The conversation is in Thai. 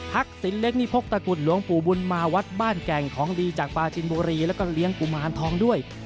สินเล็กนี่พกตะกุฎหลวงปู่บุญมาวัดบ้านแก่งของดีจากปลาจินบุรีแล้วก็เลี้ยงกุมารทองด้วย